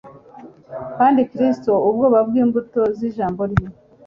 Kandi Kristo ubwoba bw'imbuto z'ijambo rye